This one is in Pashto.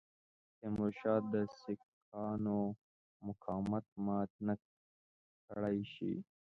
تیمورشاه د سیکهانو مقاومت مات نه کړای شي.